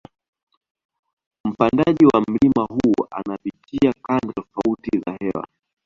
Mpandaji wa mlima huu anapitia kanda tofati za hewa